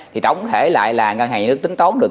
thì tổng thể lại là ngân hàng nhà nước tính tón được